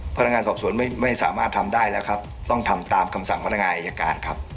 พนักงานสอบสวนไม่สามารถทำได้แล้วครับต้องทำตามคำสั่งพนักงานอายการครับ